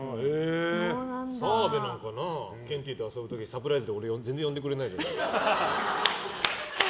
澤部なんかなケンティーと遊ぶ時サプライズで俺、全然呼んでくれないじゃん。